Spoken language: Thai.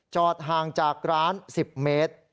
ห่างจากร้าน๑๐เมตร